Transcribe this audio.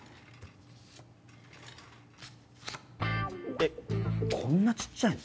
えっこんな小っちゃいの？